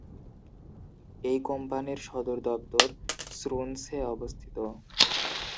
এই কোম্পানির সদর দপ্তর শ্রুনসে অবস্থিত।